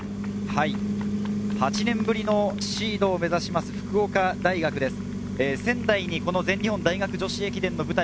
８年ぶりのシードを目指します、福岡大学です。